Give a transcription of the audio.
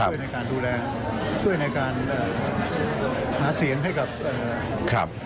มันช่วยในการดูแลช่วยในการหาเสียงให้กับ